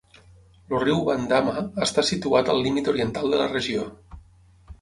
El Riu Bandama està situat al límit oriental de la regió.